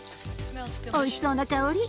おいしそうな香り。